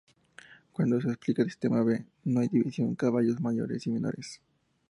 Cuando se aplica el Sistema "B", no hay división caballos mayores y menores.